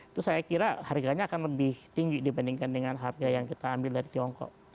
itu saya kira harganya akan lebih tinggi dibandingkan dengan harga yang kita ambil dari tiongkok